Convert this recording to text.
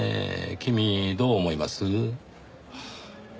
君どう思います？はあ。